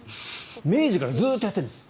明治からずっとやってるんです。